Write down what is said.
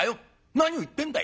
何を言ってんだい。